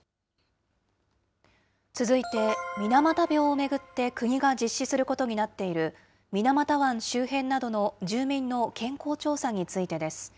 続いて、水俣病を巡って国が実施することになっている、水俣湾周辺などの住民の健康調査についてです。